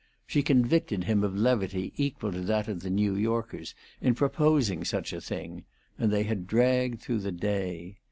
She convicted him of levity equal to that of the New Yorkers in proposing such a thing; and they dragged through the day.